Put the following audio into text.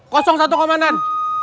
kosong satu komandan